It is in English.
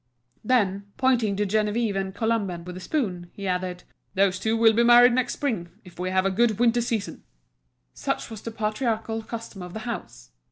Then, pointing to Geneviève and Colomban with his spoon, he added: "Those two will be married next spring, if we have a good winter season." Such was the patriarchal custom of the house.